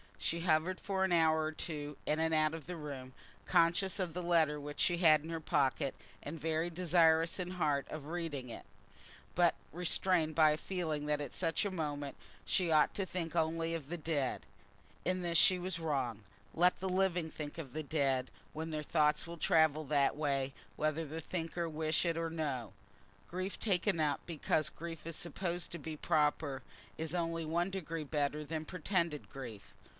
She hovered for an hour or two in and out of the room, conscious of the letter which she had in her pocket, and very desirous in heart of reading it, but restrained by a feeling that at such a moment she ought to think only of the dead. In this she was wrong. Let the living think of the dead, when their thoughts will travel that way whether the thinker wish it or no. Grief taken up because grief is supposed to be proper, is only one degree better than pretended grief.